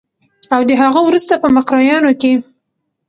او د هغه وروسته په مکروریانو کې